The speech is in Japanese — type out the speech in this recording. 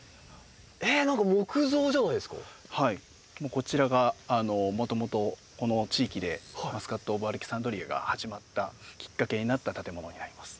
こちらがもともとこの地域でマスカットオブアレキサンドリアが始まったきっかけになった建物になります。